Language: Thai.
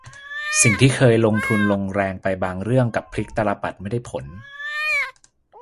สิ่งที่เคยลงทุนลงแรงไปบางเรื่องกลับพลิกตาลปัตรไม่ได้ผล